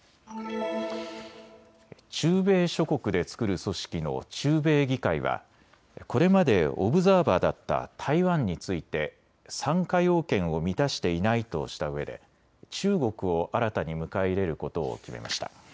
中米諸国で作る組織の中米議会はこれまでオブザーバーだった台湾について参加要件を満たしていないとしたうえで中国を新たに迎え入れることを決めました。